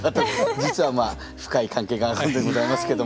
実はまあ深い関係があるんでございますけども。